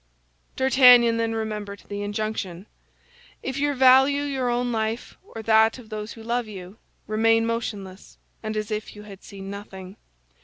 D'Artagnan then remembered the injunction: "If you value your own life or that of those who love you, remain motionless, and as if you had seen nothing."